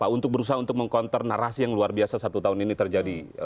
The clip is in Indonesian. untuk berusaha untuk meng counter narasi yang luar biasa satu tahun ini terjadi